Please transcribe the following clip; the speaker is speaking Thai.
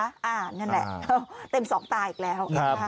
นั่นแหละเต็มสองตาอีกแล้ว